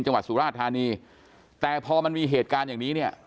จังหวัดสุราชธานีแต่พอมันมีเหตุการณ์อย่างนี้เนี่ย